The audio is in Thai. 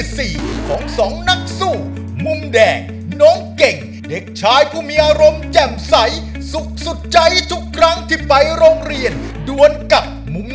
สองล้านบาทครับ